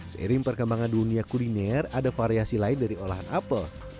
seiring perkembangan dunia kuliner ada variasi lain dari olahan apel